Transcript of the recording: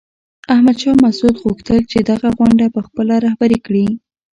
احمد شاه مسعود غوښتل چې دغه غونډه په خپله رهبري کړي.